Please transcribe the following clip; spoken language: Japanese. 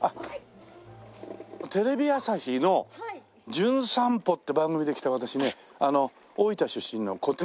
テレビ朝日の『じゅん散歩』って番組で来た私ね大分出身の古手川祐子という者なの。